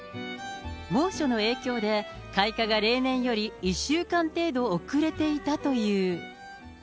猛暑の影響で、開花が例年より１週間程度遅れていたという。